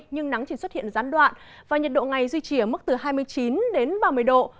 nhưng nắng chỉ xuất hiện gián đoạn và nhiệt độ ngày duy trì ở mức từ hai mươi chín đến ba mươi độ